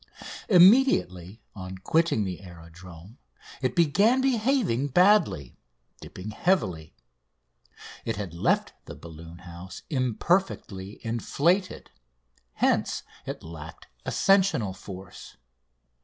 Immediately on quitting the aerodrome it began behaving badly, dipping heavily. It had left the balloon house imperfectly inflated, hence it lacked ascensional force.